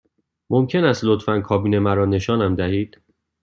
ممکن است لطفاً کابین مرا نشانم دهید؟